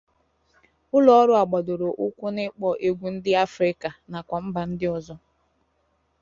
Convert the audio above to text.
Ụlọ ọrụ a gbadoro ụkwụ na-ikpọ naanị egwu ndị Africa nakwa mba ndị ọzọ.